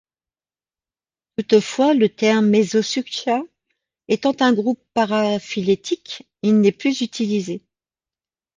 Toutefois, le terme Mesosuchia étant un groupe paraphylétique, il n'est plus utilisé.